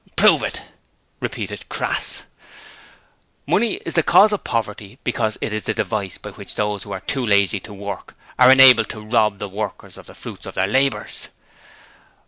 'Prove it,' repeated Crass. 'Money is the cause of poverty because it is the device by which those who are too lazy to work are enabled to rob the workers of the fruits of their labours.'